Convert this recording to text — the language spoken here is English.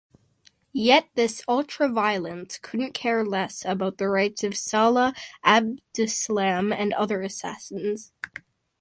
Yet this ultra-violence couldn’t care less about the rights of Salah Abdeslam and other assassins.